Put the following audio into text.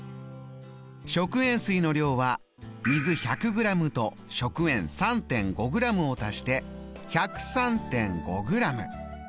食塩水の量は水１００ｇと食塩３．５ｇを足して１０３．５ｇ。